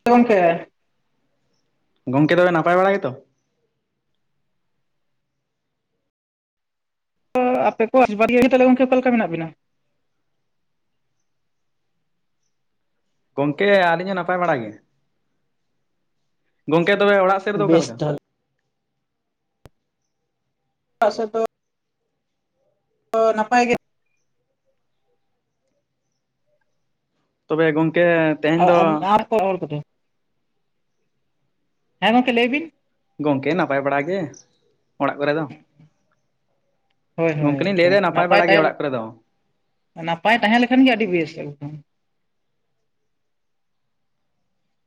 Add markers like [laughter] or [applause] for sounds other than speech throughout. [unintelligible] ᱜᱚᱢᱠᱮ ᱜᱚᱝᱠᱮ ᱛᱚᱵᱮ ᱱᱟᱯᱟᱭ ᱵᱟᱲᱟ ᱜᱮᱛᱚ ᱛᱚ ᱟᱯᱮ ᱠᱚ [unintelligible] ᱛᱟᱞᱮ ᱜᱚᱢᱠᱮ ᱚᱠᱟ ᱞᱮᱠᱟ ᱢᱮᱱᱟᱜ ᱵᱮᱱᱟ ᱜᱚᱝᱠᱮ ᱟᱹᱞᱤᱧ ᱦᱚᱸ ᱱᱟᱯᱟᱭ ᱵᱟᱲᱟ ᱜᱮ ᱜᱚᱝᱠᱮ ᱛᱚᱵᱮ ᱚᱲᱟᱜ ᱥᱮ ᱵᱮᱥ [unintelligible] [unintelligible] ᱛᱚ ᱱᱟᱯᱟᱭ ᱜᱮ ᱛᱚᱵᱮ ᱜᱚᱝᱠᱮ ᱛᱮᱦᱮᱧ ᱟᱨ ᱫᱚ ᱟᱨ ᱚᱠᱚᱭ ᱚᱞ ᱠᱟᱫᱟᱭ ᱦᱮᱸ ᱜᱚᱝᱠᱮ ᱞᱟᱹᱭ ᱵᱤᱱ᱾ ᱜᱚᱝᱠᱮ ᱱᱟᱯᱟᱭ ᱵᱟᱲᱟ ᱜᱮ ᱚᱲᱟᱜ ᱠᱚᱨᱮ ᱫᱚ ᱦᱳᱭ ᱦᱳᱭ ᱜᱚᱝᱠᱮ ᱞᱤᱧ ᱮᱠᱫᱚᱢ ᱞᱟᱹᱭᱫᱟ ᱱᱟᱯᱟᱭ ᱵᱟᱲᱟ ᱜᱮ ᱛᱟᱦᱮᱸ ᱚᱲᱟᱜ ᱠᱚᱨᱮ ᱫᱚ᱾ ᱱᱟᱯᱟᱭ ᱛᱟᱦᱮᱸ ᱞᱮᱠᱷᱟᱱ ᱜᱮ ᱟᱹᱰᱤ ᱵᱮᱥ ᱮᱠᱫᱚᱢ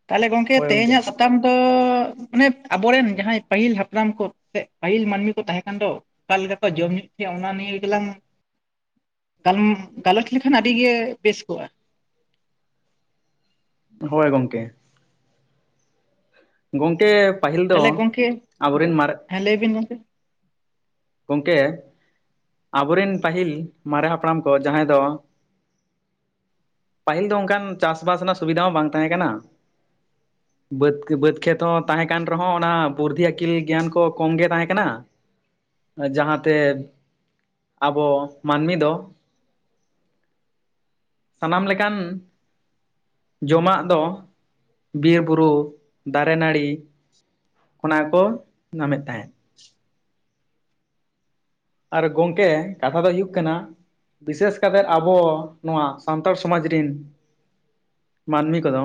ᱛᱟᱦᱚᱞᱮ ᱜᱚᱝᱠᱮ ᱛᱮᱦᱮᱧᱟᱜ ᱛᱟᱢ ᱫᱚ ᱚᱱᱮ ᱟᱵᱚᱨᱮᱱ ᱡᱟᱦᱟᱸᱭ ᱯᱟᱹᱦᱤᱞ ᱦᱟᱯᱲᱟᱢ ᱠᱚ ᱥᱮ ᱯᱟᱹᱦᱤᱞ ᱢᱟᱹᱱᱢᱤ ᱠᱚ ᱛᱟᱦᱮᱸ ᱠᱟᱱ ᱫᱚ ᱚᱠᱟ ᱞᱮᱠᱟ ᱠᱚ ᱡᱚᱢ ᱧᱩ ᱛᱟᱦᱮᱸᱫ ᱚᱱᱟ ᱱᱤᱭᱮ ᱜᱮᱞᱟᱝ ᱜᱟᱞᱚᱪ ᱞᱮᱠᱷᱟᱱ ᱟᱹᱰᱤ ᱜᱮ ᱵᱮᱥ ᱠᱚᱜᱼᱟ ᱦᱳᱭ ᱜᱚᱝᱠᱮ᱾ ᱜᱚᱝᱠᱮ ᱯᱟᱹᱦᱤᱞ ᱫᱚ ᱛᱟᱦᱚᱞᱮ ᱜᱚᱝᱠᱮ ᱟᱵᱚᱨᱮᱱ ᱢᱟᱨ ᱦᱮᱸ ᱞᱟᱹᱭᱵᱤᱱ ᱜᱚᱝᱮ ᱜᱚᱝᱠᱮ ᱟᱵᱚᱨᱮᱱ ᱯᱟᱹᱦᱤᱞ ᱢᱟᱨᱮ ᱦᱟᱯᱲᱟᱢ ᱠᱚ ᱡᱟᱦᱟᱸᱭ ᱫᱚ ᱯᱟᱹᱦᱤᱞ ᱫᱚ ᱚᱱᱠᱟᱱ ᱪᱟᱥ ᱵᱟᱟᱥ ᱨᱮᱱᱟᱜ ᱥᱩᱵᱤᱫᱷᱟ ᱦᱚᱸ ᱵᱟᱝ ᱛᱟᱦᱮᱸ ᱠᱟᱱᱟ ᱵᱟᱹᱫᱽ ᱵᱟᱹᱫᱽ ᱠᱷᱮᱛ ᱦᱚᱸ ᱛᱟᱦᱮᱸ ᱠᱟᱱ ᱨᱮᱦᱚᱸ ᱚᱱᱟ ᱵᱩᱨᱫᱷᱤ ᱟᱹᱠᱤᱞ ᱜᱮᱭᱟᱱ ᱠᱚ ᱠᱚᱢ ᱜᱮ ᱛᱟᱦᱮᱸ ᱠᱟᱱᱟ᱾ ᱡᱟᱦᱟᱸᱛᱮ ᱟᱵᱚ ᱢᱟᱹᱱᱢᱤ ᱫᱚ ᱥᱟᱱᱟᱢ ᱞᱮᱠᱟᱱ ᱡᱚᱢᱟᱜ ᱫᱚ ᱵᱤᱨ ᱵᱩᱨᱩ ᱫᱟᱨᱮ ᱱᱟᱹᱲᱤ ᱚᱱᱟ ᱠᱚ ᱧᱟᱢᱮᱫ ᱛᱟᱦᱮᱸᱫ ᱟᱨ ᱜᱚᱝᱠᱮ ᱠᱟᱛᱷᱟ ᱫᱚ ᱦᱩᱭᱩᱜ ᱠᱟᱱᱟ ᱵᱤᱥᱮᱥ ᱠᱟᱛᱮᱫ ᱟᱵᱚ ᱱᱚᱣᱟ ᱥᱟᱱᱛᱟᱲ ᱥᱚᱢᱟᱡᱽ ᱨᱤᱱ ᱢᱟᱱᱢᱤ ᱠᱚᱫᱚ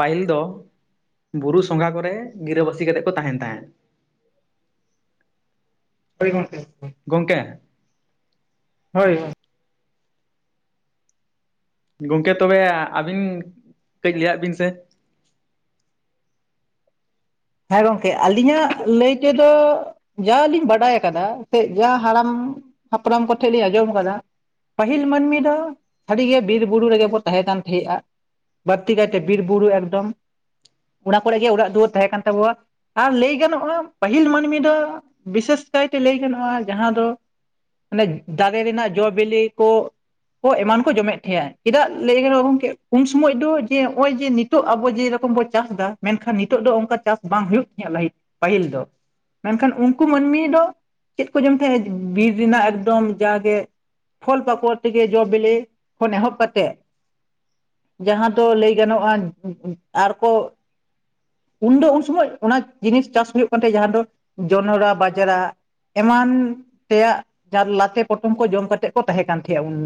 ᱯᱟᱹᱦᱤᱞ ᱫᱚ ᱵᱩᱨᱩ ᱥᱚᱸᱜᱷᱟ ᱠᱚᱨᱮ ᱜᱤᱨᱟᱹᱵᱟᱹᱥᱤ ᱠᱟᱛᱮᱫ ᱠᱚ ᱛᱟᱦᱮᱱ ᱛᱟᱦᱮᱸᱫ ᱦᱳᱭ ᱜᱚᱝᱠᱮ ᱜᱚᱝᱠᱮ ᱦᱳᱭ ᱜᱚᱝᱠᱮ ᱛᱚᱵᱮ ᱟᱹᱵᱤᱱ ᱠᱟᱹᱡ ᱞᱟᱹᱭᱟᱜ ᱵᱤᱱ ᱥᱮ ᱦᱮᱸ ᱜᱚᱝᱠᱮ ᱟᱹᱞᱤᱧᱟᱜ ᱞᱟᱹᱭ ᱛᱮᱫᱚ ᱡᱟ ᱞᱤᱧ ᱵᱟᱰᱟᱭ ᱟᱠᱟᱫᱟ ᱥᱮ ᱡᱟ ᱦᱟᱲᱟᱢ ᱦᱟᱯᱲᱟᱢ ᱠᱚᱴᱷᱮᱱ ᱞᱤᱧ ᱟᱸᱡᱚᱢ ᱟᱠᱟᱫᱟ᱾ ᱯᱟᱹᱦᱤᱞ ᱢᱟᱹᱱᱢᱤ ᱫᱚ ᱟᱹᱰᱤᱜᱮ ᱵᱤᱨ ᱵᱩᱨᱩ ᱨᱮᱜᱮ ᱵᱚ ᱛᱟᱦᱮᱸ ᱠᱟᱱ ᱛᱟᱦᱮᱸᱜ-ᱟ ᱵᱟᱹᱲᱛᱤ ᱠᱟᱭᱛᱮ ᱵᱤᱨ ᱵᱩᱨᱩ ᱮᱠᱫᱚᱢ ᱚᱱᱟ ᱠᱚᱨᱮ ᱜᱮ ᱚᱲᱟᱜ ᱫᱩᱣᱟᱹᱨ ᱛᱟᱦᱮᱸ ᱠᱟᱱ ᱛᱟᱵᱚᱣᱟ ᱟᱨ ᱞᱟᱹᱭ ᱜᱟᱱᱚᱜ-ᱟ ᱯᱟᱹᱦᱤᱞ ᱢᱟᱹᱱᱢᱤ ᱫᱚ ᱵᱤᱥᱮᱥ ᱠᱟᱭᱛᱮ ᱞᱟᱹᱭ ᱜᱟᱱᱚᱜ-ᱟ ᱡᱟᱦᱟᱸ ᱫᱚ ᱚᱱᱮ ᱫᱟᱨᱮ ᱨᱮᱱᱟᱜ ᱡᱚ ᱵᱤᱞᱤ ᱠᱚ ᱠᱚ ᱮᱢᱟᱱ ᱠᱚ ᱡᱚᱢᱮᱫ ᱛᱟᱦᱮᱸᱜ-ᱟ ᱪᱮᱫᱟᱜ ᱞᱟᱹᱭ ᱜᱚᱢᱠᱮ ᱩᱱ ᱥᱚᱢᱚᱭ ᱫᱚ ᱡᱮ ᱦᱚᱸᱜ-ᱚᱭ ᱡᱮ ᱱᱤᱛᱚᱜ ᱟᱵᱚ ᱡᱮᱨᱚᱠᱚᱢ ᱵᱚᱱ ᱪᱟᱥ ᱮᱫᱟ ᱢᱮᱱᱠᱷᱟᱱ ᱱᱤᱛᱚᱜ ᱫᱚ ᱚᱱᱠᱟ ᱪᱟᱥ ᱵᱟᱝ ᱦᱩᱭᱩᱜ ᱛᱟᱸᱦᱮᱡ ᱞᱟᱦᱤ ᱯᱟᱹᱦᱤᱞ ᱫᱚ ᱢᱮᱱᱠᱷᱟᱱ ᱩᱱᱠᱩ ᱢᱟᱹᱱᱢᱤ ᱫᱚ ᱪᱮᱫ ᱠᱚ ᱡᱚᱢ ᱛᱟᱦᱮᱸᱫ ᱵᱤᱨ ᱨᱮᱱᱟᱜ ᱮᱠᱫᱚᱢ ᱡᱟᱜᱮ ᱯᱷᱚᱞ ᱯᱟᱠᱚᱲ ᱛᱮᱜᱮ ᱡᱚ ᱵᱤᱞᱤ ᱠᱷᱚᱱ ᱮᱦᱚᱵ ᱠᱟᱛᱮᱫ ᱡᱟᱦᱟᱸ ᱫᱚ ᱞᱟᱹᱭ ᱜᱟᱱᱚᱜ-ᱟ ᱟᱨᱠᱚ ᱩᱱᱫᱚ ᱥᱚᱢᱚᱭ ᱚᱱᱟ ᱡᱤᱱᱤᱥ ᱪᱟᱥ ᱦᱩᱭᱩᱜ ᱠᱟᱱ ᱛᱟᱦᱮᱸ ᱡᱟᱦᱟᱸ ᱫᱚ ᱡᱚᱱᱨᱟ ᱵᱟᱡᱽᱲᱟ ᱮᱢᱟᱱ ᱛᱮᱭᱟᱜ ᱡᱟᱦᱟᱸ ᱞᱟᱛᱮ ᱯᱚᱴᱚᱢ ᱠᱚ ᱡᱚᱢᱛᱮᱫ ᱠᱚ ᱛᱟᱦᱮᱸ ᱠᱟᱱ ᱛᱟᱦᱮᱸᱜ-ᱟ ᱩᱱ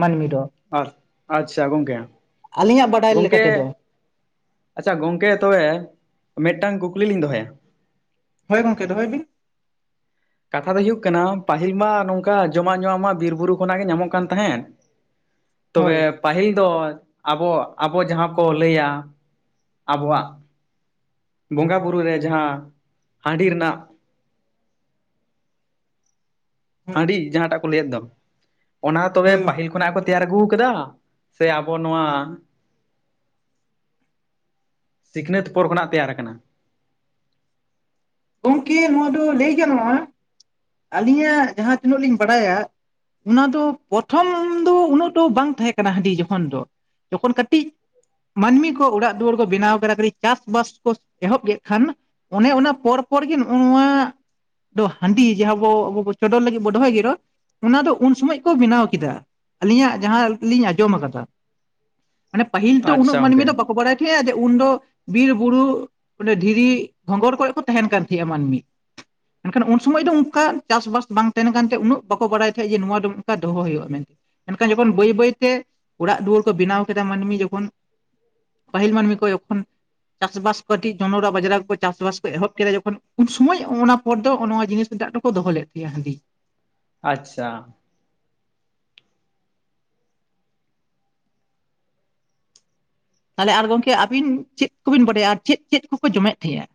ᱢᱟᱹᱱᱢᱤ ᱫᱚ ᱟᱪ, ᱟᱪᱪᱷᱟ ᱜᱚᱝᱠᱮ, ᱟᱹᱞᱤᱧᱟᱜ ᱵᱟᱰᱟᱭ ᱞᱮᱠᱟ ᱜᱚᱝᱠᱮ ᱛᱮᱫᱚ ᱟᱪᱪᱷᱟ ᱜᱚᱝᱠᱮ ᱛᱚᱵᱮ ᱢᱤᱫᱴᱟᱝ ᱠᱩᱠᱞᱤ ᱞᱤᱧ ᱫᱚᱦᱚᱭᱟ ᱦᱮᱸ ᱜᱚᱝᱠᱮ ᱫᱚᱦᱚᱭ ᱵᱤᱱ ᱠᱟᱛᱷᱟ ᱫᱚ ᱦᱩᱭᱩᱜ ᱠᱟᱱᱟ ᱯᱟᱹᱟᱦᱤᱞ ᱢᱟ ᱱᱚᱝᱠᱟ ᱡᱚᱢᱟᱜ ᱧᱩᱣᱟᱜ ᱢᱟ ᱵᱤᱨ ᱵᱩᱨᱩ ᱠᱷᱚᱱᱟᱜ ᱜᱮ ᱧᱟᱢᱚᱜ ᱠᱟᱱ ᱛᱟᱦᱮᱸᱫ? ᱛᱚᱵᱮ ᱦᱳᱭ ᱯᱟᱹᱦᱤᱞ ᱫᱚ ᱟᱵᱚ ᱟᱵᱚ ᱡᱟᱦᱟᱸ ᱠᱚ ᱞᱟᱹᱭᱟ ᱟᱵᱚᱣᱟᱜ ᱵᱚᱸᱜᱟ ᱵᱩᱨᱩ ᱨᱮ ᱡᱟᱦᱟᱸ ᱦᱟᱺᱰᱤ ᱨᱮᱱᱟᱜ ᱦᱳᱭ ᱦᱟᱺᱰᱤ ᱡᱟᱦᱟᱸᱴᱟᱜ ᱠᱚ ᱞᱟᱹᱭᱮᱫ ᱫᱚ ᱚᱱᱟ ᱛᱚᱵᱮ ᱦᱳᱭ ᱯᱟᱹᱤᱞ ᱠᱷᱚᱱᱟᱜ ᱠᱚ ᱜᱚᱝᱠᱮ ᱛᱮᱭᱟᱨ ᱟᱹᱜᱩ ᱟᱠᱟᱫᱟ ᱥᱮ ᱟᱵᱚ ᱱᱚᱣᱟ ᱥᱤᱠᱷᱱᱟᱹᱛ ᱯᱚᱨ ᱠᱷᱚᱱᱟᱜ ᱛᱮᱭᱟᱨ ᱟᱠᱟᱱᱟ᱾ ᱜᱚᱝᱠᱮ ᱱᱚᱣᱟ ᱫᱚ ᱞᱟᱹᱭ ᱜᱟᱱᱚᱜ-ᱟ ᱟᱹᱞᱤᱧᱟᱜ ᱡᱟᱦᱟᱸ ᱛᱤᱱᱟᱹᱜ ᱞᱤᱧ ᱵᱟᱰᱟᱭᱟ ᱚᱱᱟ ᱫᱚ ᱯᱨᱚᱛᱷᱚᱢ ᱫᱚ ᱩᱱᱟᱹᱜ ᱫᱚ ᱵᱟᱝ ᱛᱟᱦᱮᱸ ᱠᱟᱱᱟ ᱦᱟᱺᱰᱤ ᱡᱚᱠᱷᱚᱱ ᱫᱚ ᱡᱚᱠᱷᱚᱱ ᱠᱟᱹᱴᱤᱡ ᱢᱟᱹᱱᱢᱤ ᱠᱚ ᱚᱲᱟᱜ ᱫᱩᱣᱟᱹᱨ ᱠᱚ ᱵᱮᱱᱟᱣ ᱠᱮᱫᱟ ᱠᱟᱹᱴᱤᱡ ᱪᱟᱥᱵᱟᱥ ᱠᱚ ᱮᱦᱚᱵ ᱠᱮᱫ ᱠᱷᱟᱱ ᱚᱱᱮ ᱚᱱᱟ ᱯᱚᱨ ᱯᱚᱨ ᱜᱮ ᱱᱚᱜ-ᱚ ᱱᱚᱣᱟ ᱫᱚ ᱦᱟᱺᱰᱤ ᱡᱟᱦᱟᱸ ᱵᱚ ᱟᱵᱚᱵᱚ ᱪᱚᱰᱚᱨ ᱞᱟᱹᱜᱤᱫ ᱵᱚ ᱫᱚᱦᱚᱭ ᱜᱮᱨᱚ ᱚᱱᱟ ᱫᱚ ᱩᱱ ᱥᱚᱢᱚᱭ ᱠᱚ ᱵᱮᱱᱟᱣ ᱠᱮᱫᱟ ᱟᱹᱞᱤᱧᱟᱜ ᱡᱟᱦᱟᱸ ᱞᱤᱧ ᱟᱸᱡᱚᱢ ᱟᱠᱟᱫᱟ ᱢᱟᱱᱮ ᱯᱟᱹᱦᱤᱞ ᱛᱚ ᱩᱱᱟᱹᱜ ᱟᱪᱪᱷᱟ ᱢᱟᱹᱱᱢᱤ ᱜᱚᱝᱠᱮ ᱫᱚ ᱵᱟᱠᱚ ᱵᱟᱲᱟᱭ ᱦᱮᱸᱜ-ᱟ ᱡᱮ ᱩᱱᱫᱚ ᱵᱤᱨ ᱵᱩᱨᱩ ᱚᱸᱰᱮ ᱫᱷᱤᱨᱤ ᱜᱷᱚᱝᱜᱚᱨ ᱠᱷᱚᱡ ᱠᱚ ᱛᱟᱦᱮᱱ ᱠᱟᱱ ᱛᱟᱦᱮᱸ ᱢᱟᱹᱱᱢᱤ᱾ ᱢᱮᱱᱠᱷᱟᱱ ᱩᱱ ᱥᱚᱢᱚᱭ ᱫᱚ ᱚᱱᱠᱟ ᱪᱟᱥᱼᱵᱟᱥ ᱵᱟᱝ ᱛᱟᱦᱮᱱ ᱠᱟᱱᱛᱮ ᱩᱱᱟᱹᱜ ᱵᱟᱠᱚ ᱵᱟᱲᱟᱭ ᱛᱟᱦᱮᱸᱜ ᱡᱮ ᱱᱚᱣᱟ ᱫᱚ ᱚᱱᱠᱟ ᱫᱚᱦᱚ ᱦᱩᱭᱩᱜᱼᱟ ᱢᱮᱱᱛᱮ᱾ ᱢᱮᱱᱠᱷᱟᱱ ᱡᱚᱠᱷᱚᱱ ᱵᱟᱹᱭ ᱵᱟᱹᱭ ᱛᱮ ᱚᱲᱟᱜ ᱫᱩᱣᱟᱹᱨ ᱠᱚ ᱵᱮᱱᱟᱣ ᱠᱮᱫᱟ ᱢᱟᱹᱱᱢᱤ ᱡᱚᱠᱷᱚᱱ ᱯᱟᱹᱦᱤᱞ ᱢᱟᱹᱱᱢᱤ ᱠᱚ ᱡᱚᱠᱷᱚᱱ ᱪᱟᱥ ᱵᱟᱥ ᱠᱟᱹᱴᱤᱡ ᱡᱚᱱᱚᱲᱟ ᱵᱟᱡᱟᱨᱟ ᱠᱚ ᱠᱚ ᱪᱟᱥ ᱵᱟᱥ ᱮᱦᱚᱵ ᱠᱮᱫᱟ ᱡᱚᱠᱷᱚᱱ ᱩᱱ ᱥᱚᱢᱚᱭ ᱚᱱᱟ ᱯᱚᱨ ᱫᱚ ᱱᱚᱜ ᱱᱚᱣᱟ ᱡᱤᱱᱤᱥ ᱨᱮᱱᱟᱜ ᱫᱚ ᱠᱚ ᱫᱚᱦᱚ ᱞᱮᱫ ᱜᱮᱭᱟ ᱦᱟᱺᱰᱤ᱾ ᱟᱪᱪᱷᱟ᱾ ᱛᱟᱦᱚᱞᱮ ᱟᱨ ᱜᱚᱝᱠᱮ ᱟᱹᱵᱤᱱ ᱪᱮᱫ ᱠᱚᱵᱤᱱ ᱵᱟᱰᱟᱭᱟ? ᱟᱨ ᱪᱮᱫ ᱪᱮᱫ ᱠᱚᱠᱚ ᱡᱚᱢᱮᱫ ᱛᱟᱦᱮᱸᱜᱼᱟ?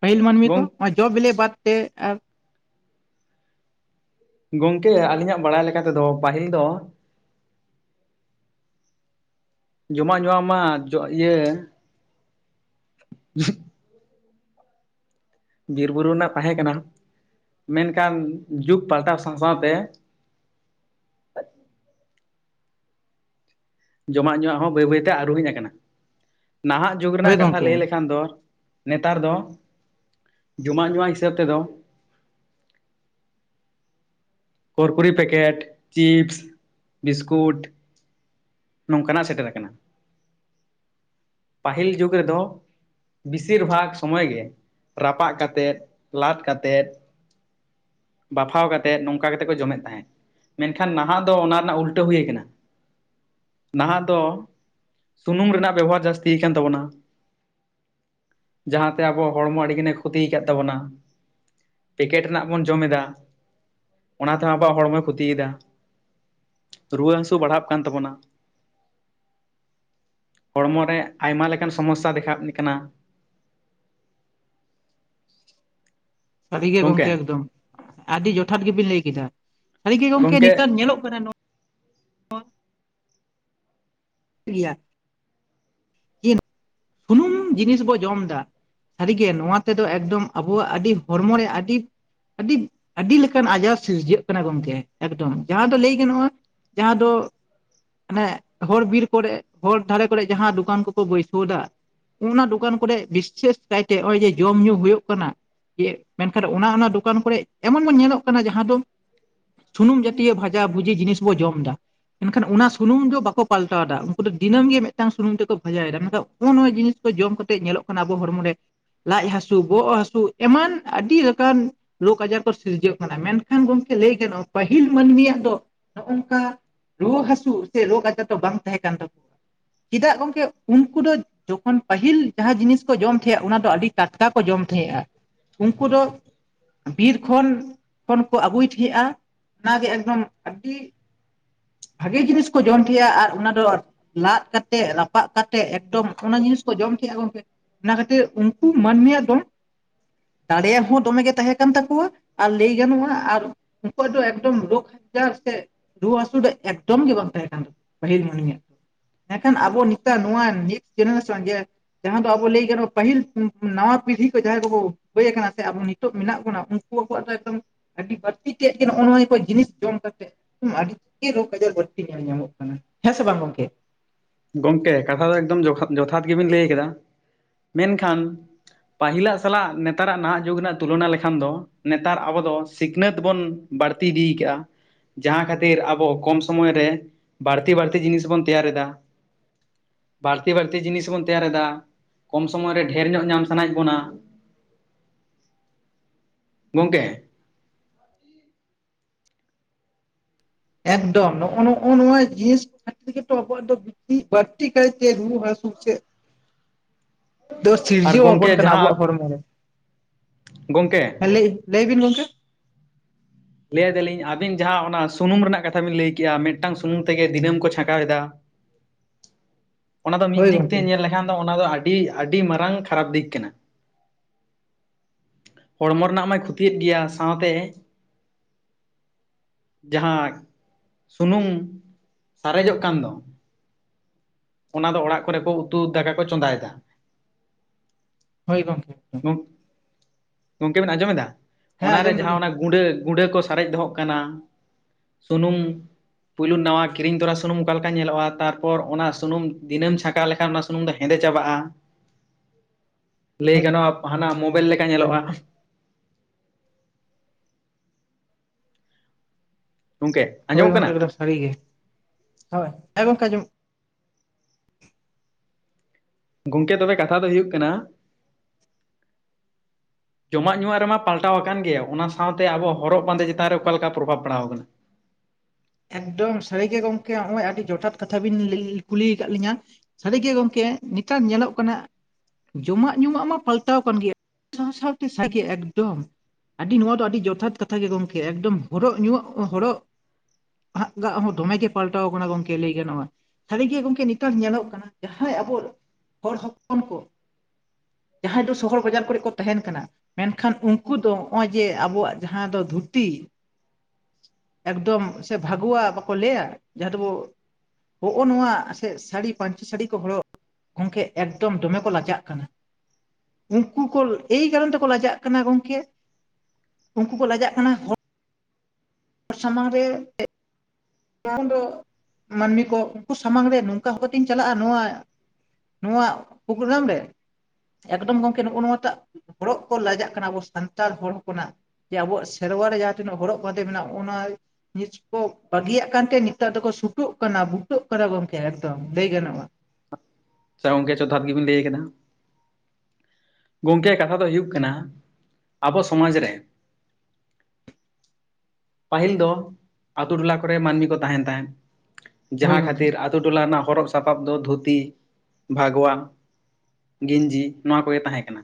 ᱯᱟᱹᱦᱤᱞ ᱢᱟᱹᱱᱢᱤ ᱠᱚ ᱜᱚᱝ ᱱᱚᱣᱟ ᱡᱚ ᱵᱮᱞᱮ ᱵᱟᱫᱛᱮ ᱟᱨ ᱜᱚᱝᱠᱮ ᱟᱹᱞᱤᱧᱟᱜ ᱵᱟᱲᱟᱭ ᱞᱮᱠᱟ ᱛᱮᱫᱚ ᱯᱟᱹᱦᱤᱞ ᱫᱚ ᱡᱚᱢᱟᱜ ᱧᱩᱣᱟᱜ ᱢᱟ ᱤᱭᱟᱹ ᱵᱤᱨ ᱵᱩᱨᱩ ᱨᱮᱱᱟᱜ ᱛᱟᱦᱮᱸ ᱠᱟᱱᱟ ᱢᱮᱱᱠᱷᱟᱱ ᱡᱩᱜᱽ ᱯᱟᱞᱴᱟᱣ ᱥᱟᱶ ᱥᱟᱶᱛᱮ ᱡᱚᱢᱟᱜ ᱧᱩᱣᱟᱜ ᱦᱚᱸ ᱵᱟᱹᱭ ᱵᱟᱹᱭ ᱛᱮ ᱟᱹᱨᱩ ᱦᱮᱡ ᱟᱠᱟᱱᱟ, ᱱᱟᱦᱟᱜ ᱡᱩᱜᱽ ᱦᱳᱭ ᱨᱮᱱᱟᱜ ᱠᱟᱛᱷᱟ ᱜᱚᱝᱠᱮ ᱞᱟᱹᱭ ᱞᱮᱠᱷᱟᱱ ᱫᱚ, ᱱᱮᱛᱟᱨ ᱫᱚ, ᱡᱚᱢᱟᱜ ᱧᱩᱣᱟᱜ ᱦᱤᱥᱟᱹᱵ ᱛᱮᱫᱚ, ᱠᱚᱲᱠᱩᱲᱤ ᱯᱮᱠᱮᱴ ᱪᱤᱯᱥ, ᱵᱤᱥᱠᱩᱴ, ᱱᱚᱝᱠᱟᱱᱟᱜ ᱥᱮᱴᱮᱨ ᱟᱠᱟᱱᱟ, ᱯᱟᱹᱦᱤᱞ ᱡᱩᱜᱽ ᱨᱮᱫᱚ ᱵᱤᱥᱤᱨ ᱵᱷᱟᱜᱽ ᱥᱚᱢᱚᱭ ᱜᱮ ᱨᱟᱯᱟᱜ ᱠᱟᱛᱮᱫ, ᱞᱟᱫ ᱠᱟᱛᱮᱫ, ᱵᱟᱯᱷᱟᱣ ᱠᱟᱛᱮᱫ‌ ᱱᱚᱝᱠ ᱚᱱᱠᱟ ᱠᱟᱛᱮ ᱠᱚ ᱡᱚᱢᱮᱫ ᱛᱟᱦᱮᱸᱜ, ᱢᱮᱱᱠᱷᱟᱱ ᱱᱟᱦᱟᱜ ᱫᱚ ᱚᱱᱟ ᱨᱮᱱᱟᱜ ᱩᱞᱴᱟᱹ ᱦᱩᱭ ᱟᱠᱟᱱᱟ᱾ ᱱᱟᱦᱟᱜ ᱫᱚ ᱥᱩᱱᱩᱢ ᱨᱮᱱᱟᱜ ᱵᱮᱵᱚᱦᱟᱨ ᱡᱟᱹᱥᱛᱤ ᱟᱠᱟᱱ ᱛᱟᱵᱚᱱᱟ᱾ ᱡᱟᱦᱟᱸᱛᱮ ᱟᱵᱚ ᱦᱚᱲᱢᱚ ᱟᱹᱰᱤ ᱜᱟᱱᱮ ᱠᱷᱚᱛᱤᱭ ᱟᱠᱟᱫ ᱛᱟᱵᱚᱱᱟ᱾ ᱯᱮᱠᱮᱴ ᱨᱮᱱᱟᱜ ᱵᱚᱱ ᱡᱚᱢ ᱮᱫᱟ᱾ ᱚᱱᱟ ᱛᱮᱦᱚᱸ ᱟᱵᱚᱣᱟᱜ ᱦᱚᱲᱢᱚᱭ ᱠᱷᱚᱛᱤᱭᱮᱫᱟ ᱨᱩᱣᱟᱹ ᱦᱟᱹᱥᱩ ᱵᱟᱲᱦᱟᱜ ᱠᱟᱱ ᱛᱟᱵᱚᱱᱟ᱾ ᱦᱚᱲᱢᱚ ᱨᱮ ᱟᱭᱢᱟ ᱞᱮᱠᱟᱱ ᱥᱚᱢᱚᱥᱥᱟ ᱫᱮᱠᱷᱟᱣ ᱠᱟᱱᱟ᱾ ᱥᱟᱹᱨᱤᱜᱮ ᱜᱚᱝᱠᱮ ᱜᱚᱢᱠᱮ ᱮᱠᱫᱚᱢ, ᱟᱹᱰᱤ ᱡᱚᱛᱷᱟᱛ ᱜᱮᱵᱤᱱ ᱞᱟᱹᱭ ᱠᱮᱫᱟ ᱥᱟᱹᱨᱤᱜᱮ ᱜᱚᱢᱠᱮ ᱜᱚᱝᱠᱮ ᱱᱮᱛᱟᱨ ᱧᱮᱞᱚᱜ ᱠᱟᱱᱟ ᱜᱮᱭᱟ᱾ ᱥᱩᱱᱩᱢ ᱡᱤᱱᱤᱥ ᱵᱚ ᱡᱚᱢ ᱮᱫᱟ ᱥᱟᱹᱨᱤᱜᱮ ᱱᱚᱣᱟ ᱛᱮᱫᱚ ᱮᱠᱫᱚᱢ ᱟᱵᱚᱣᱟᱜ ᱟᱹᱰᱤ ᱦᱚᱲᱢᱚ ᱨᱮ ᱟᱹᱰᱤ ᱟᱹᱰᱤ ᱟᱹᱰᱤ ᱞᱮᱠᱟᱱ ᱟᱡᱟᱨ ᱥᱤᱨᱡᱟᱹᱜ ᱠᱟᱱᱟ ᱜᱚᱢᱠᱮ, ᱮᱠᱫᱚᱢ ᱡᱟᱦᱟᱸ ᱫᱚ ᱞᱟᱹᱭ ᱜᱟᱱᱚᱜᱼᱟ ᱡᱟᱦᱟᱸ ᱫᱚ ᱢᱟᱱᱮ ᱦᱚᱨ ᱵᱤᱨ ᱠᱚᱨᱮ ᱦᱚᱨ ᱫᱷᱟᱨᱮ ᱠᱚᱨᱮ ᱡᱟᱦᱟᱸ ᱫᱚᱠᱟᱱ ᱠᱚ ᱠᱚ ᱵᱟᱹᱭᱥᱟᱹᱣᱫᱟ ᱚᱱᱟ ᱫᱚᱠᱟᱱ ᱠᱚᱨᱮᱫ ᱵᱤᱥᱮᱥ ᱠᱟᱭᱛᱮ ᱱᱚᱜᱼᱚᱭ ᱡᱮ ᱡᱚᱢᱼ ᱧᱩ ᱦᱳᱭᱳᱜ ᱠᱟᱱᱟ᱾ ᱢᱮᱱᱠᱷᱟᱱ ᱚᱱᱚ ᱚᱱᱟ ᱫᱚᱠᱟᱱ ᱠᱚᱨᱮᱫ ᱮᱢᱚᱱ ᱮᱢᱚᱱ ᱧᱮᱞᱚᱜ ᱠᱟᱱᱟ ᱡᱟᱦᱟᱸ ᱫᱚ ᱥᱩᱱᱩᱢ ᱡᱟᱛᱤᱭᱚ ᱵᱷᱟᱡᱟ ᱵᱷᱩᱡᱤ ᱡᱤᱱᱤᱥ ᱵᱚ ᱡᱚᱢ ᱫᱟ᱾ ᱢᱮᱱᱠᱷᱟᱱ ᱚᱱᱟ ᱥᱩᱱᱩᱢ ᱫᱚ ᱵᱟᱠᱚ ᱯᱟᱞᱴᱟᱣ ᱫᱟ, ᱩᱱᱠᱩ ᱫᱚ ᱫᱤᱱᱟᱹᱢ ᱜᱮ ᱢᱤᱫᱴᱟᱝ ᱥᱩᱱᱩᱢ ᱛᱮᱠᱚ ᱵᱷᱟᱡᱟᱭᱮᱫᱟ ᱢᱮᱱ ᱠᱷᱟᱱ ᱱᱚᱜᱼᱚ ᱱᱚᱣᱟ ᱡᱤᱱᱤᱥ ᱠᱚ ᱡᱚᱢ ᱠᱟᱛᱮ ᱧᱮᱞᱚᱜ ᱠᱟᱱᱟ ᱟᱵᱚ ᱦᱚᱲᱢᱚ ᱨᱮ ᱞᱟᱡ ᱦᱟᱹᱥᱩ ᱵᱚᱦᱚᱜ ᱦᱟᱹᱥᱩ ᱮᱢᱟᱱ ᱟᱹᱰᱤ ᱞᱮᱠᱟᱱ ᱨᱳᱠ ᱟᱡᱟᱨ ᱠᱚ ᱥᱤᱨᱡᱟᱹᱜ ᱠᱟᱱᱟ ᱢᱮᱱᱠᱷᱟᱱ ᱜᱚᱝᱠᱮ ᱞᱟᱹᱭ ᱜᱟᱱᱚᱜᱼᱟ ᱯᱟᱹᱦᱤᱞ ᱢᱟᱹᱱᱢᱤᱭᱟᱜ ᱫᱚ ᱱᱚᱜ ᱚᱝᱠᱟ ᱨᱩᱣᱟᱹ ᱦᱟᱹᱥᱩ ᱥᱮ ᱨᱳᱜᱽ ᱟᱡᱟᱨ ᱫᱚ ᱵᱟᱝ ᱛᱟᱦᱮᱸ ᱠᱟᱱ ᱛᱟᱠᱚᱣᱟ, ᱪᱮᱫᱟᱜ ᱜᱚᱝᱠᱮ ᱩᱱᱠᱩ ᱫᱚ ᱡᱚᱠᱷᱚᱱ ᱯᱟᱹᱦᱤᱞ ᱡᱟᱦᱟᱸ ᱡᱤᱱᱤᱥ ᱠᱚ ᱡᱚᱢ ᱛᱟᱦᱮᱸᱜᱼᱟ, ᱚᱱᱟ ᱫᱚ ᱟᱹᱰᱤ ᱴᱟᱴᱠᱟ ᱠᱚ ᱡᱚᱢ ᱛᱟᱦᱮᱸᱫᱼᱟ᱾ ᱩᱱᱠᱩ ᱫᱚ ᱵᱤᱨ ᱠᱷᱚᱱ ᱠᱷᱚᱱ ᱠᱚ ᱟᱹᱜᱩᱭᱛᱷᱤᱭᱮᱜ-ᱟ ᱚᱱᱟᱜᱮ ᱮᱠᱫᱚᱢ ᱟᱹᱰᱤ ᱵᱷᱟᱜᱮ ᱡᱤᱱᱤᱥ ᱠᱩ ᱡᱚᱢ ᱠᱤᱭᱟ ᱟᱨ ᱚᱱᱟ ᱫᱚ ᱞᱟᱫ ᱠᱟᱛᱮᱫ ᱨᱟᱯᱟᱜ ᱠᱟᱛᱮᱫ ᱮᱠᱫᱚᱢ ᱚᱱᱟ ᱡᱤᱱᱤᱥ ᱠᱚ ᱡᱚᱢ ᱠᱮᱫᱼᱟ ᱜᱚᱝᱠᱮ ᱚᱱᱟ ᱠᱷᱟᱹᱛᱤᱨ ᱩᱱᱠᱩ ᱢᱟᱹᱱᱢᱤᱭᱟᱜ ᱫᱚ ᱫᱟᱲᱮᱭᱟᱜ ᱦᱚᱸ ᱫᱚᱢᱮ ᱜᱮ ᱛᱟᱦᱮᱸ ᱠᱟᱱ ᱛᱟᱠᱚᱣᱟ, ᱟᱨ ᱞᱟᱹᱭ ᱜᱟᱱᱚᱜᱼᱟ ᱟᱨ ᱩᱱᱠᱩᱣᱟᱜ ᱫᱚ ᱮᱠᱫᱚᱢ ᱨᱳᱜᱽ ᱟᱡᱟᱨ ᱥᱮ ᱨᱩᱣᱟᱹ ᱦᱟᱹᱥᱩ ᱫᱚ ᱮᱠᱫᱚᱢ ᱜᱮ ᱵᱟᱝ ᱛᱟᱦᱮᱸ ᱠᱟᱱ ᱛᱟᱠᱚᱣᱟ ᱯᱟᱹᱦᱤᱞ ᱢᱟᱹᱱᱤᱭᱟᱜ ᱢᱮᱱ ᱠᱷᱟᱱ ᱟᱵᱚ ᱱᱮᱛᱟᱨ ᱱᱚᱣᱟ ᱱᱤᱛ ᱡᱮᱱᱟᱨᱮᱥᱮᱱ ᱡᱮ ᱡᱟᱦᱟᱸ ᱫᱚ ᱟᱵᱚ ᱞᱟᱹᱭ ᱜᱟᱱ ᱯᱟᱹᱦᱤᱞ ᱱᱟᱣᱟ ᱯᱤᱲᱦᱤ ᱠᱚ ᱡᱟᱦᱟᱸᱭ ᱠᱚᱵᱚ ᱦᱳᱭ ᱟᱠᱟᱱᱟ ᱥᱮ ᱟᱵᱚ ᱱᱤᱛᱚᱜ ᱢᱮᱱᱟᱜ ᱵᱚᱱᱟ᱾ ᱩᱱᱠᱩᱣᱟᱜ ᱫᱚ ᱮᱠᱫᱚᱢ ᱟᱹᱰᱤ ᱵᱟᱹᱲᱛᱤ ᱛᱮᱫ ᱜᱮ ᱱᱚᱜᱼᱚ ᱱᱚᱜᱼᱚᱭ ᱠᱚ ᱡᱤᱱᱤᱥ ᱡᱚᱢ ᱠᱟᱛᱮᱜ ᱟᱹᱰᱤ ᱜᱮ ᱨᱳᱜᱽ ᱟᱡᱟᱨ ᱵᱟᱹᱲᱛᱤ ᱧᱮᱞ ᱧᱟᱢᱚᱜ ᱠᱟᱱᱟ᱾ ᱦᱮᱸ ᱥᱮ ᱵᱟᱝ ᱜᱚᱢᱠᱮ? ᱜᱚᱢᱠᱮ ᱠᱟᱛᱷᱟ ᱫᱚ ᱮᱠᱫᱚᱢ ᱡᱚᱛᱷᱟᱛ ᱜᱮᱵᱤᱱ ᱞᱟᱹᱭ ᱠᱟᱫᱟ, ᱢᱮᱱᱠᱷᱟᱱ ᱯᱟᱹᱦᱤᱞᱟᱜ ᱥᱟᱞᱟᱜ ᱱᱮᱛᱟᱨᱟᱜ ᱱᱟᱦᱟᱜ ᱡᱩᱜᱽ ᱨᱮᱱᱟᱜ ᱛᱩᱞᱚᱱᱟ ᱞᱮᱠᱷᱟᱱ ᱫᱚ ᱱᱮᱛᱟᱨ ᱟᱵᱚ ᱫᱚ ᱥᱤᱠᱷᱱᱟᱹᱛ ᱵᱚᱱ ᱵᱟᱹᱲᱛᱤ ᱤᱫᱤ ᱠᱟᱜ-ᱟ ᱡᱟᱦᱟᱸ ᱠᱷᱟᱹᱛᱤᱨ ᱟᱵᱚ ᱠᱚᱢ ᱥᱚᱢᱚᱭ ᱨᱮ ᱵᱟᱹᱲᱛᱤ ᱵᱟᱹᱲᱛᱤ ᱡᱤᱱᱤᱥ ᱵᱚᱱ ᱛᱮᱭᱟᱨ ᱮᱫᱟ ᱵᱟᱹᱲᱛᱤ ᱵᱟᱹᱲᱛᱤ ᱡᱤᱱᱤᱥ ᱵᱚᱱ ᱛᱮᱭᱟᱨ ᱮᱟ ᱠᱚᱢ ᱥᱚᱢᱚᱭ ᱨᱮ ᱰᱷᱮᱨ ᱧᱚᱜ ᱧᱟᱢ ᱥᱟᱱᱟᱭᱮᱫ ᱵᱚᱱᱟ [inaudible] ᱜᱚᱝᱠᱮ ᱮᱠᱫᱚᱢ ᱱᱚᱜ-ᱚ ᱱᱚᱜ-ᱚ ᱱᱚᱣᱟ ᱡᱤᱱᱤᱥ ᱠᱚ ᱠᱷᱟᱹᱛᱤᱨ ᱛᱮ ᱜᱮᱛᱚ ᱟᱵᱚᱣᱟᱜ ᱫᱚ ᱤᱧᱟᱜ ᱵᱟᱲᱛᱤ ᱠᱷᱟᱭ ᱛᱮ ᱧᱩ ᱦᱟᱥᱩ ᱥᱮ ᱫᱚ ᱟᱨ ᱥᱤᱨᱡᱟᱹᱣ ᱜᱚᱝᱠᱮ ᱟᱵᱚᱱ ᱠᱟᱱᱟ ᱡᱟᱦᱟᱸ ᱟᱵᱚᱣᱟᱜ ᱦᱚᱲᱢᱚ ᱨᱮ ᱜᱚᱝᱠᱮ [unintelligible] ᱞᱟᱹᱭ ᱵᱤᱱ ᱜᱚᱝᱠᱮ᱾ ᱞᱟᱹᱭ ᱟᱫᱟᱞᱤᱧ ᱟᱵᱤᱱ ᱡᱟᱦᱟᱸ ᱚᱱᱟ ᱥᱩᱱᱩᱢ ᱨᱮᱱᱟᱜ ᱠᱟᱛᱷᱟ ᱵᱤᱱ ᱞᱟᱹᱭ ᱠᱮᱟ ᱢᱤᱫᱴᱟᱝ ᱥᱩᱱᱩᱢ ᱛᱮᱜᱮ ᱫᱤᱱᱟᱹᱢ ᱠᱚ ᱪᱷᱟᱠᱟᱣ ᱮᱫᱟ [inaudible] ᱚᱱᱟ ᱫᱚ ᱢᱤᱫ ᱦᱳᱭ ᱫᱤᱠ ᱛᱮ ᱜᱚᱝᱠᱮ ᱧᱮᱞ ᱞᱮᱠᱷᱟᱱ ᱫᱚ ᱚᱱᱟ ᱫᱚ ᱟᱹᱰᱤ ᱟᱹᱰᱤ ᱢᱟᱨᱟᱝ ᱠᱷᱟᱨᱟᱯ ᱫᱤᱠ ᱠᱟᱱᱟ ᱦᱚᱲᱢᱚ ᱨᱮᱱᱟᱜ ᱢᱟᱭ ᱠᱷᱚᱛᱤᱭᱮᱫ ᱜᱮᱭᱟ ᱥᱟᱶᱛᱮ ᱡᱟᱦᱟᱸ ᱥᱩᱱᱩᱢ ᱥᱟᱨᱮᱡᱚᱜ ᱠᱟᱱ ᱫᱚ ᱚᱱᱟ ᱫᱚ ᱚᱲᱟᱜ ᱠᱚᱨᱮ ᱠᱚ ᱩᱛᱩ ᱫᱟᱠᱟ ᱠᱚ ᱪᱚᱸᱫᱟᱭᱮᱫᱟ ᱦᱳᱭ ᱜᱚᱢᱠᱮ ᱦᱩ ᱜᱚᱝᱠᱮ ᱵᱮᱱ ᱟᱸᱡᱚᱢᱮᱫᱟ ᱦᱮᱸ ᱚᱱᱟᱨᱮ ᱟᱸᱡᱚᱢ ᱡᱟᱦᱟᱸ ᱫᱟᱞᱤᱧ ᱚᱱᱟ ᱜᱚᱝᱠᱮ᱾ ᱜᱩᱸᱰᱟᱹ ᱜᱩᱸᱰᱟᱹ ᱠᱚ ᱥᱟᱨᱮᱡ ᱫᱚᱦᱚᱜ ᱠᱟᱱᱟ ᱥᱩᱱᱩᱢ ᱯᱩᱭᱞᱩ ᱱᱟᱣᱟ ᱠᱤᱨᱤᱧ ᱛᱚᱨᱟ ᱥᱩᱱᱩᱢ ᱚᱠᱟ ᱞᱮᱠᱟ ᱧᱮᱞᱚᱜ-ᱟ ᱛᱟᱨᱯᱚᱨ ᱚᱱᱟ ᱥᱩᱱᱩᱢ ᱫᱤᱱᱟᱹᱢ ᱪᱷᱟᱸᱠᱟᱣ ᱞᱮᱠᱷᱟᱱ ᱚᱱᱟ ᱥᱩᱱᱩᱢ ᱫᱚ ᱦᱮᱸᱫᱮ ᱪᱟᱵᱟᱜ-ᱟ ᱞᱟᱹᱭ ᱜᱟᱱᱚᱜ-ᱟ ᱦᱟᱱᱟ ᱢᱳᱵᱮᱞ ᱞᱮᱠᱟ ᱧᱮᱞᱚᱜ-ᱟ ᱜᱚᱢᱠᱮ ᱦᱳᱭ ᱜᱚᱝᱠᱮ ᱮᱠᱚᱢ ᱥᱟᱹᱲᱤ ᱜᱮ ᱦᱳᱭ ᱦᱳᱭ ᱜᱚᱝᱠᱮ ᱟᱡᱚᱢᱚᱜ ᱜᱚᱝᱠᱮ ᱛᱚᱵᱮ ᱠᱟᱛᱷᱟ ᱫᱚ ᱦᱩᱭᱩᱜ ᱠᱟᱱᱟ [inaudible] ᱡᱚᱢᱟᱜ ᱧᱩᱣᱟᱜ ᱨᱮᱢᱟ ᱯᱟᱞᱴᱟᱣ ᱟᱠᱟᱱ ᱜᱮᱭᱟ ᱚᱱᱟ ᱥᱟᱶᱛᱮ ᱟᱵᱚ ᱦᱚᱨᱚᱜ ᱵᱟᱸᱫᱮ ᱪᱮᱛᱟᱱ ᱨᱮ ᱚᱠᱟ ᱞᱮᱠᱟ ᱯᱨᱚᱵᱷᱟᱵᱽ ᱯᱚᱲᱟᱣ ᱟᱠᱟᱱᱟ ᱮᱠᱫᱚᱢ ᱥᱟᱹᱨᱤ ᱜᱮ ᱜᱚᱝᱠᱮ ᱱᱚᱜ ᱚᱭ ᱟᱹᱰᱤ ᱡᱚᱴᱷᱟᱛ ᱠᱟᱛᱷᱟ ᱵᱤᱱ ᱠᱩᱞᱤ ᱟᱠᱟᱫ ᱞᱤᱧᱟᱹ ᱥᱟᱹᱨᱤ ᱜᱮ ᱜᱚᱢᱠᱮ ᱱᱮᱛᱟᱨ ᱧᱮᱞᱚᱜ ᱠᱟᱱᱟ ᱡᱚᱢᱟᱜ ᱧᱩᱣᱟᱜ ᱢᱟ ᱯᱟᱞᱴᱟᱣ ᱠᱟᱱ ᱜᱮᱭᱟ ᱥᱟᱶ ᱥᱟᱶᱛᱮ ᱥᱟᱹᱨᱜᱮ ᱮᱠᱫᱚᱢ ᱟᱹᱰᱤ ᱱᱚᱣᱟ ᱫᱚ ᱟᱹᱰᱤ ᱡᱚᱛᱷᱟᱛ ᱠᱟᱛᱷᱟ ᱜᱮ ᱜᱚᱢᱠᱮ ᱮᱠᱫᱚᱢ ᱦᱚᱨᱚᱜ ᱧᱩᱣᱟᱜ ᱦᱚᱨᱚᱜ ᱦᱟᱜ ᱪᱮᱫᱟᱜ ᱫᱚᱢᱮ ᱜᱮ ᱯᱟᱞᱴᱟᱣ ᱠᱟᱱᱟ ᱚᱱᱟ ᱜᱚᱝᱠᱮ ᱞᱟᱹᱭ ᱜᱟᱱᱚ-ᱟ ᱥᱟᱹᱨᱤ ᱜᱮ ᱜᱚᱢᱠᱮ ᱱᱮᱛᱟᱨ ᱧᱮᱞᱚᱜ ᱠᱟᱱᱟ ᱡᱟᱦᱟᱸᱭ ᱟᱵᱚ ᱦᱚᱲ ᱦᱚᱯᱚᱱ ᱠᱚ ᱡᱟᱦᱟᱸᱭ ᱫᱚ ᱥᱚᱦᱚᱨ ᱵᱟᱡᱟᱨ ᱠᱚᱨᱮ ᱠᱚ ᱛᱟᱦᱮᱱ ᱠᱟᱱᱟ ᱢᱮᱱᱠᱷᱟᱱ ᱩᱱᱠᱩ ᱫᱚ ᱱᱚᱜ-ᱚᱭ ᱡᱮ ᱟᱵᱚᱣᱟᱜ ᱡᱟᱦᱟᱸ ᱫᱚ ᱫᱷᱩᱛᱤ ᱮᱠᱫᱚᱢ ᱥᱮ ᱵᱷᱟᱹᱜᱩᱣᱟ ᱵᱟᱠᱚ ᱞᱟᱹᱭᱟ ᱡᱟᱦᱟᱸ ᱫᱚᱵᱚ ᱦᱚᱜ-ᱚᱭ ᱱᱚᱣᱟ ᱥᱟᱹᱲᱤ ᱯᱟᱹᱧᱪᱤ ᱥᱟᱹᱲᱤ ᱠᱚ ᱦᱚᱲᱚᱜ ᱜᱚᱢᱠᱮ ᱮᱠᱫᱚᱢ ᱫᱚᱢᱮ ᱠᱚ ᱞᱟᱡᱟᱜ ᱠᱟᱱᱟ ᱩᱱᱠᱩ ᱠᱚ ᱮᱭ ᱠᱟᱨᱚᱱ ᱛᱮᱠᱚ ᱞᱟᱡᱟᱜ ᱠᱟᱱᱟ ᱜᱚᱝᱠᱮ ᱩᱱᱠᱩ ᱠᱚ ᱞᱟᱡᱟᱜ ᱠᱟᱱᱟ ᱦᱚᱲ ᱥᱟᱢᱟᱝ ᱨᱮ [unintelligible] [unintelligible] ᱫᱚ ᱢᱟᱹᱱᱢᱤ ᱠᱚ ᱩᱱᱠᱩ ᱥᱟᱢᱟᱝ ᱨᱮ ᱱᱚᱝᱠᱟ [unintelligible] ᱪᱟᱞᱟᱜᱼᱟ ᱱᱚᱣᱟ ᱱᱚᱣᱟ ᱯᱨᱳᱜᱨᱟᱢ ᱨᱮ ᱮᱠᱫᱚᱢ ᱜᱚᱝᱠᱮ ᱱᱚᱜ-ᱚ ᱱᱚᱣᱟᱴᱟᱜ ᱦᱚᱨᱚᱜ ᱠᱚ ᱞᱟᱡᱟᱜ ᱠᱟᱱᱟ ᱟᱵᱚ ᱥᱟᱱᱛᱟᱲ ᱦᱚᱲ ᱦᱚᱯᱚᱱᱟᱜ ᱡᱮ ᱟᱵᱚᱣᱟᱜ ᱥᱮᱨᱣᱟᱟᱨ ᱨᱮ ᱡᱟᱦᱟᱸ ᱛᱤᱱᱟᱹᱜ ᱦᱚᱨᱚᱜ ᱵᱟᱸᱫᱮ ᱢᱮᱱᱟᱜ-ᱟ ᱚᱱᱟ ᱱᱤᱥ ᱠᱚ ᱵᱟᱹᱜᱤᱭᱟᱜ ᱠᱟᱱᱛᱮ ᱱᱮᱛᱟᱨ ᱫᱚᱠᱚ ᱥᱩᱴᱚᱜ ᱠᱟᱱᱟ ᱵᱩᱴᱚᱹᱜ ᱠᱟᱱᱟ ᱜᱚᱝᱠᱮ ᱮᱠᱫᱚᱢ ᱞᱟᱹᱭ ᱜᱟᱱᱚᱜ-ᱟ ᱥᱮ ᱜᱚᱢᱠᱮ ᱪᱚᱫᱷᱟᱛ ᱜᱮᱵᱤᱱ ᱞᱟᱹᱭ ᱟᱠᱟᱫᱟ ᱜᱚᱢᱠᱮᱭᱟᱜ ᱠᱟᱛᱷᱟ ᱫᱚ ᱦᱩᱭᱩᱜ ᱠᱟᱱᱟ ᱟᱵᱚ ᱥᱚᱢᱟᱡᱽ ᱨᱮ ᱯᱟᱹᱦᱤᱞ ᱫᱚ ᱟᱛᱳ ᱴᱚᱞᱟ ᱠᱚᱨᱮ ᱢᱟᱹᱱᱢᱤ ᱠᱚ ᱛᱟᱦᱮᱱ ᱛᱟᱦᱮᱸᱫ ᱦᱳᱭ ᱡᱟᱦᱟᱸ ᱜᱚᱝᱠᱮ ᱠᱷᱟᱹᱛᱤᱨ ᱟᱛᱳ ᱴᱚᱞᱟ ᱨᱮᱱᱟᱜ ᱦᱚᱨᱚᱜ ᱥᱟᱯᱟᱵ ᱫᱚ ᱫᱷᱩᱛᱤ ᱵᱷᱟᱜᱽᱣᱟ ᱜᱮᱧᱡᱤ ᱱᱚᱣᱟ ᱠᱚᱜᱮ ᱛᱟᱦᱮᱸ ᱠᱟᱱᱟ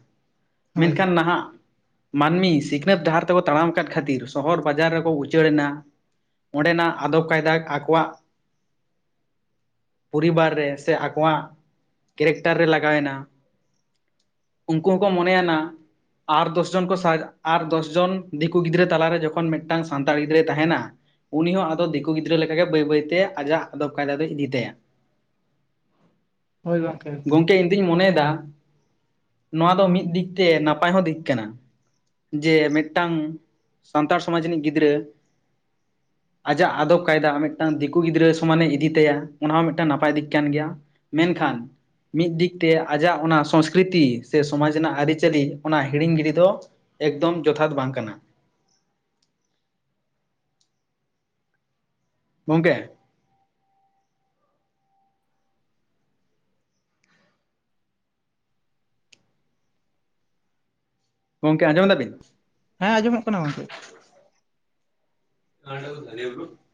ᱦᱳᱭ ᱢᱮᱱᱠᱷᱟᱱ ᱱᱟᱦᱟᱜ ᱢᱟᱹᱱᱢᱤ ᱥᱤᱠᱷᱱᱟᱹᱛ ᱰᱟᱦᱟᱨ ᱛᱮᱠᱚ ᱛᱟᱲᱟᱢ ᱟᱠᱟᱫ ᱠᱷᱟᱹᱛᱤᱨ ᱥᱚᱦᱚᱨ ᱵᱟᱡᱟᱨ ᱨᱮ ᱠᱚ ᱩᱪᱟᱹᱲ ᱮᱱᱟ ᱚᱸᱰᱮᱱᱟᱜ ᱟᱫᱚᱵ ᱠᱟᱭᱫᱟ ᱟᱠᱚᱣᱟᱜ ᱯᱚᱨᱤᱵᱟᱨ ᱨᱮ ᱥᱮ ᱟᱠᱚᱣᱟᱜ ᱠᱮᱨᱮᱠᱴᱟᱨ ᱨᱮ ᱞᱟᱜᱟᱣᱮᱱᱟ᱾ ᱩᱱᱠᱩ ᱦᱚᱸᱠᱚ ᱢᱚᱱᱮ ᱭᱟᱱᱟ ᱟᱨ ᱫᱚᱥ ᱡᱚᱱ ᱠᱚ ᱥᱟᱡ ᱟᱨ ᱫᱚᱥ ᱡᱚᱱ ᱫᱤᱠᱩ ᱜᱤᱫᱽᱨᱟᱹ ᱛᱟᱞᱟᱨᱮ ᱡᱚᱠᱷᱚᱱ ᱢᱤᱫ ᱢᱤᱫᱴᱟᱝ ᱥᱟᱱᱛᱟᱲ ᱜᱤᱫᱽᱨᱟᱹᱭ ᱛᱟᱦᱮᱱᱟ ᱩᱱᱤ ᱦᱚᱸ ᱟᱫᱚ ᱫᱤᱠᱩ ᱜᱤᱫᱽᱨᱟᱹ ᱞᱮᱠᱟ ᱜᱮ ᱵᱟᱹᱭ ᱵᱟᱹᱭᱛᱮ ᱟᱡᱟᱜ ᱟᱫᱚᱵ ᱠᱟᱭᱫᱟ ᱫᱚᱭ ᱤᱫᱤ ᱛᱟᱭᱟ ᱦᱳᱭ ᱜᱚᱝᱠᱮ ᱮᱠᱫᱚᱢ ᱫᱩᱧ ᱢᱚᱱᱮᱭᱮᱫᱟ ᱱᱚᱣᱟ ᱫᱚ ᱢᱤᱫ ᱫᱤᱠ ᱛᱮ ᱱᱟᱯᱟᱭ ᱦᱚᱸ ᱫᱤᱠ ᱠᱟᱱᱟ ᱡᱮ ᱢᱤᱫᱴᱟᱝ ᱥᱟᱱᱛᱟᱲ ᱥᱚᱢᱟᱡᱽ ᱨᱤᱱᱤᱡ ᱜᱤᱫᱽᱨᱟᱹ [inaudible] ᱟᱡᱟᱜ ᱟᱫᱚᱵ ᱠᱟᱭᱫᱟ ᱢᱤᱫᱴᱟᱝ ᱫᱤᱠᱩ ᱜᱤᱫᱽᱨᱟᱹ ᱥᱚᱢᱟᱱᱮ ᱤᱫᱤ ᱛᱟᱭᱟ ᱚᱱᱟ ᱦᱚᱸ ᱢᱤᱫᱴᱟᱝ ᱱᱟᱯᱟᱭ ᱫᱤᱠ ᱠᱟᱱ ᱜᱮᱭᱟ ᱢᱮᱱᱠᱷᱟᱱ ᱢᱤᱫ ᱫᱤᱠ ᱛᱮ ᱟᱡᱟᱜ ᱚᱱᱟ ᱥᱚᱝᱥᱠᱨᱤᱛᱤ ᱥᱮ ᱥᱚᱢᱟᱡᱽ ᱨᱮᱱᱟᱜ ᱟᱹᱨᱤᱪᱟᱹᱞᱤ ᱚᱱᱟ ᱦᱤᱲᱤᱧ ᱜᱤᱰᱤ ᱫᱚ ᱮᱠᱫᱚᱢ ᱡᱚᱛᱷᱟᱛ ᱵᱟᱝ ᱠᱟᱱᱟ᱾ ᱜᱚᱝᱠᱮ ᱜᱚᱢᱠᱮ ᱟᱸᱡᱚᱢ ᱫᱟᱵᱤᱱ ᱦᱮᱸ ᱟᱸᱡᱚᱢᱚᱜ ᱠᱟᱱᱟ ᱜᱚᱝᱠᱮ [unintelligible]